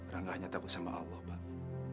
rangga hanya takut sama allah bang